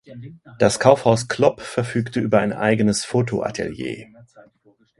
Das Kaufhaus Klopp verfügte über ein eigenes Fotoatelier.